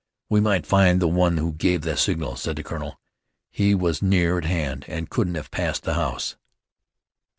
"We might find the one who gave the signal," said the colonel. "He was near at hand, and couldn't have passed the house."